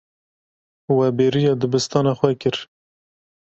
We bêriya dibistana xwe kir.